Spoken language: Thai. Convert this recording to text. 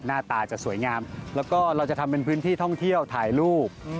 หน้าตาจะสวยงามแล้วก็เราจะทำเป็นพื้นที่ท่องเที่ยวถ่ายรูป